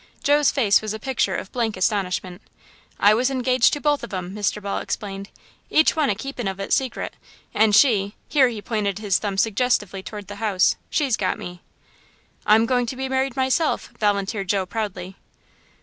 Joe's face was a picture of blank astonishment. "I was engaged to both of 'em," Mr. Ball explained, "each one a keepin' of it secret, and she " here he pointed his thumb suggestively toward the house "she's got me." "I'm going to be married myself," volunteered Joe, proudly.